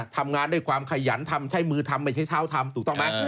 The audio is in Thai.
ทำงานด้วยความขยันใช้มือทำไม่ใช้เท้าทำ